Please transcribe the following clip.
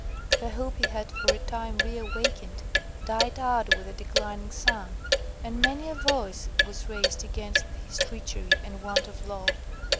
The hope he had for a time re awakened, died out with the declining sun, and many a voice was raised against his treachery and want of love.